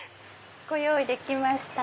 ご用意できました。